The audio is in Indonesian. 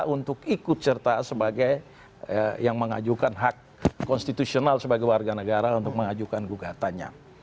untuk ikut serta sebagai yang mengajukan hak konstitusional sebagai warga negara untuk mengajukan gugatannya